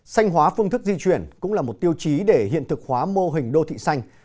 xanh hóa phương thức di chuyển cũng là một tiêu chí để hiện thực hóa mô hình đô thị xanh